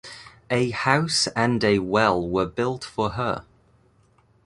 A house and a well were built for her.